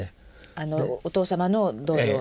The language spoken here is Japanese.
お父様の同僚の？